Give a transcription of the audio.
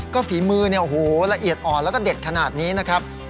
ก็ฝีมือเนี่ยโอ้โหละเอียดอ่อนแล้วก็เด็ดขนาดนี้นะครับ